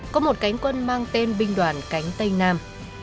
có một cánh quân mang tên binh đoàn cánh tây nam